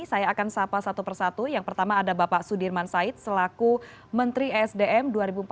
saya akan sapa satu persatu yang pertama ada bapak sudirman said selaku menteri esdm dua ribu empat belas